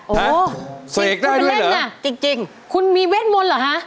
โอ้โฮเสกได้ด้วยเหรอจริงคุณมีเวทมนตร์เหรอฮะ